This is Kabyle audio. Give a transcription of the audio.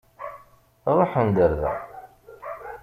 Ṛuḥem-d ar da.